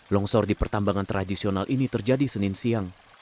longsor di pertambangan tradisional ini terjadi senin siang